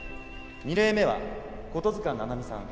２例目は琴塚七海さん